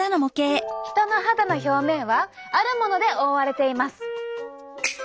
人の肌の表面はあるもので覆われています。